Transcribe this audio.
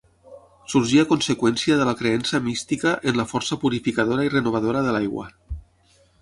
Sorgí a conseqüència de la creença mística en la força purificadora i renovadora de l'aigua.